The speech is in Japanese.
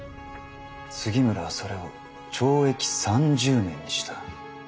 杉村はそれを懲役三十年にした。